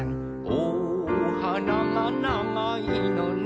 「おはながながいのね」